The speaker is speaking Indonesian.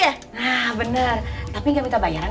nah bener tapi gak minta bayaran